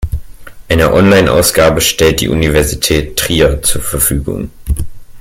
Eine Onlineausgabe stellt die Universität Trier zur Verfügung.